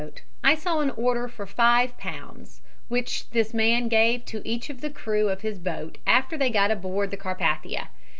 But I saw an order for five pounds which this man gave to each of the crew of his boat after they got aboard the Carpathia.